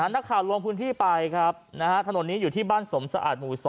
ลงพื้นที่ไปครับถนนนี้อยู่ที่บ้านสมสะอาดหมู่๒